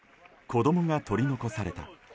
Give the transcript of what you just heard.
子供が取り残された。